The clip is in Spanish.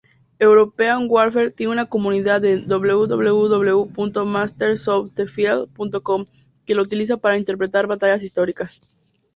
European Warfare tiene una comunidad en www.mastersofthefield.com que la utiliza para interpretar batallas históricas.